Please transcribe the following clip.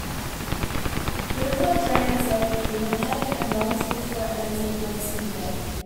The river drains Lake Winnipeg and runs before it ends in Hudson Bay.